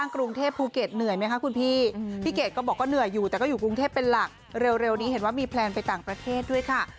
กรุงเทพฯเป็นหลักเร็วนี้เห็นมีแปลนไปต่างประเทศด้วยค่ะ